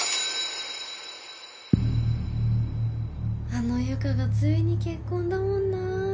あの由佳がついに結婚だもんなぁ。